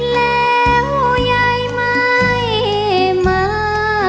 แล้วยายไม่มา